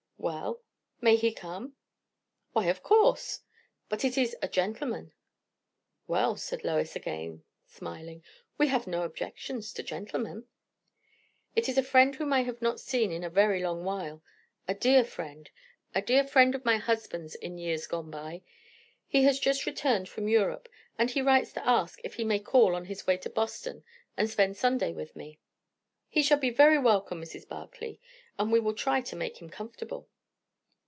"Well?" "May he come?" "Why, of course." "But it is a gentleman." "Well," said Lois again, smiling, "we have no objections to gentlemen." "It is a friend whom I have not seen in a very long while; a dear friend; a dear friend of my husband's in years gone by. He has just returned from Europe; and he writes to ask if he may call on his way to Boston and spend Sunday with me." "He shall be very welcome, Mrs. Barclay; and we will try to make him comfortable."